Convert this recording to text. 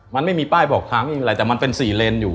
มันไม่มีป้ายบอกทางมันเป็นสี่เลนอยู่